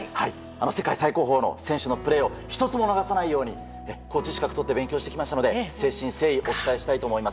世界最高峰の選手のプレーを１つも逃さないようにコーチ資格とって勉強してきましたので誠心誠意お伝えしたいと思います。